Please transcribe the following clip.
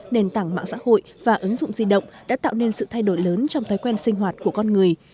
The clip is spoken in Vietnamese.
nền tảng mạng xã hội và ứng dụng di động đã tạo nên sự thay đổi lớn trong thói quen sinh hoạt của con người